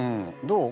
どう？